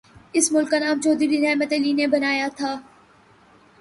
اس ملک کا نام چوہدری رحمت علی نے بنایا تھا۔